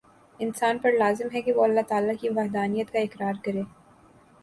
انسان پر لازم ہے کہ وہ اللہ تعالی کی وحدانیت کا اقرار کرے